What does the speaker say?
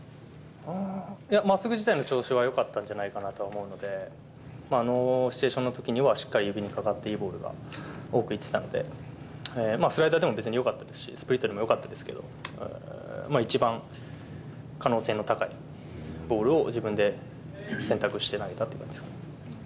まっすぐ自体の調子はよかったんじゃないかなと思うので、あのシチュエーションのときにはしっかり指にかかっていいボールが多くいってたので、スライダーでも別によかったですし、スプリットでもよかったんですけど、一番可能性の高いボールを、自分で選択して投げたって感じですかね。